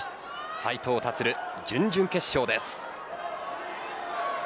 斉藤立、準々決勝です。